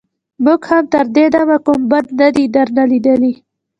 موږ هم تر دې دمه کوم بد نه دي درنه ليدلي.